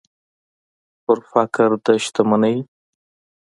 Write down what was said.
پر فقر د شتمنۍ